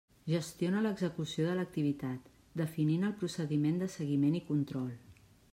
Gestiona l'execució de l'activitat, definint el procediment de seguiment i control.